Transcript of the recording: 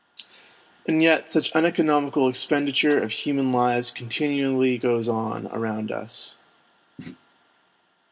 And yet such uneconomical expenditure of human lives continually goes on around us.